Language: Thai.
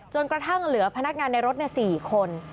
จนกระทั่งเหลือพนักงานในรถ๔คน